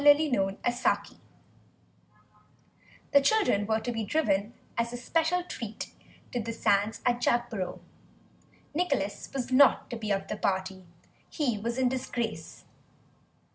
THE LUMBER ROOM The children were to be driven, as a special treat, to the sands at Jagborough. Nicholas was not to be of the party; he was in disgrace.